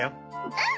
うん！